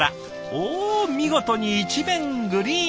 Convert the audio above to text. おお見事に一面グリーン！